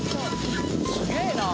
すげえなぁ。